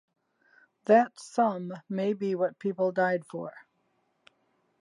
That sum may be what people died for.